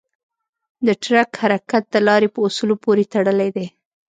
د ټرک حرکت د لارې په اصولو پورې تړلی دی.